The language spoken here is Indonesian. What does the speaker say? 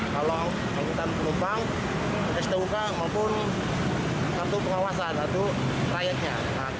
kalau angkutan penumpang sduk maupun kartu pengawasan atau prietnya